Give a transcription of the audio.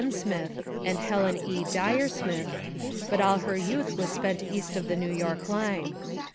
Smith, and Helen E. (Dyer) Smith, but all her youth was spent east of the New York line.